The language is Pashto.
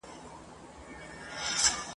سلمان وویل قسمت کړي وېشونه !.